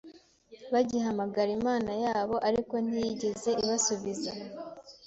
bagihamagara imana yabo Ariko ntiyigeze ibasubiza